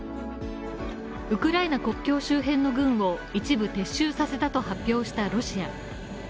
ウクライナ国境周辺の軍を一部撤収させたと発表したロシア。